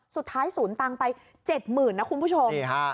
สุดท้ายศูนย์ตังไป๗๐๐๐นะคุณผู้ชม